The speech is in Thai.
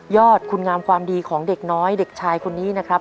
อดคุณงามความดีของเด็กน้อยเด็กชายคนนี้นะครับ